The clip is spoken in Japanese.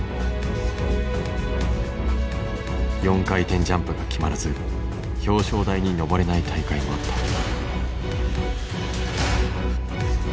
４回転ジャンプが決まらず表彰台にのぼれない大会もあった。